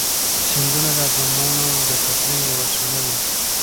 سیندونه د افغانانو د تفریح یوه وسیله ده.